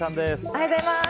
おはようございます。